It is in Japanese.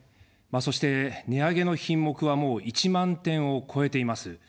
そして、値上げの品目はもう１万点を超えています。